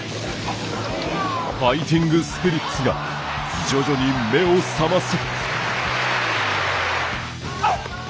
ファイティングスピリッツが徐々に目を覚ます。